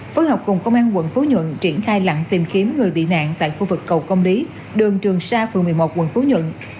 phối hợp cùng công an tp hcm triển khai lặng tìm kiếm người bị nạn tại khu vực cầu công lý đường trường sa phường một mươi một tp hcm